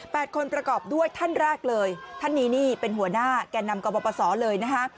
คนประกอบด้วยท่านแรกเลยท่านนี้นี่เป็นหัวหน้าแก่นำกรปศเลยนะฮะ